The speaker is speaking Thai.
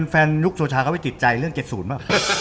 แฟนยุคโชชาเขาไว้ติดใจเรื่องเกร็ดศูนย์ป่ะ